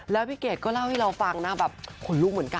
แล้วพี่เกดก็เล่าให้เราฟังนะแบบขนลุกเหมือนกัน